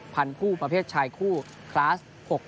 พันคู่ประเภทชายคู่คลาส๖๐